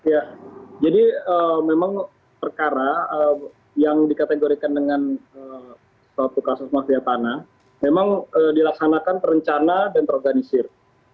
ya jadi memang perkara yang dikategorikan dengan suatu kasus mafia tanah memang dilaksanakan terencana dan terorganisir